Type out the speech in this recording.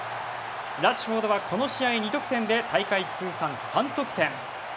ラッシュフォードはこの試合２得点で大会通算３得点。